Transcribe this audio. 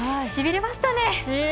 しびれましたね。